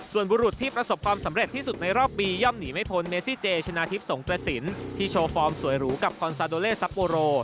ส่วนบุรุษที่ประสบความสำเร็จที่สุดในรอบปีย่อมหนีไม่พ้นเมซี่เจชนะทิพย์สงกระสินที่โชว์ฟอร์มสวยหรูกับคอนซาโดเลซับโปโร